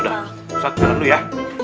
udah ustad jalan dulu ya